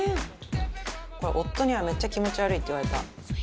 これ夫にはめっちゃ気持ち悪いって言われた。